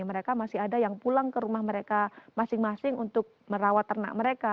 mereka masih ada yang pulang ke rumah mereka masing masing untuk merawat ternak mereka